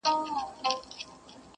د غوجلې صحنه يادېږي بيا بيا،